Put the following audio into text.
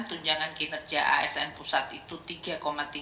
tunjangan kinerja asn pusat itu tiga tiga persen